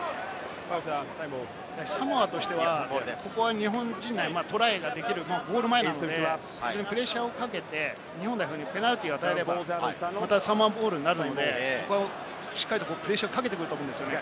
サモアとしては、ここは日本陣内トライができるゴール前なんで、プレッシャーをかけて日本代表にペナルティーを与えれば、サモアボールになるのでここはしっかりとプレッシャーをかけてくると思うんですね。